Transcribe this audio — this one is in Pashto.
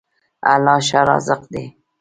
الله ښه رازق دی.